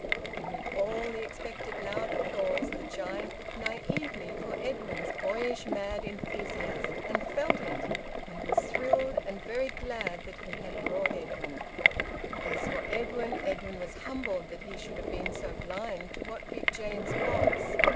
Amid all the expected loud applause the giant looked naively for Edwin's boyish mad enthusiasm, and felt it; and was thrilled, and very glad that he had brought Edwin. As for Edwin, Edwin was humbled that he should have been so blind to what Big James was.